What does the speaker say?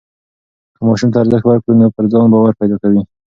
که ماشوم ته ارزښت ورکړو نو پر ځان باور پیدا کوي.